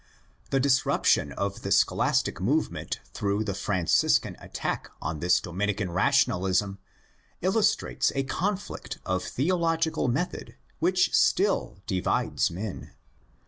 The disruption of the scholastic move ment through the Franciscan attack on this Dominican rationalism illustrates a conflict of theological method which still divides men.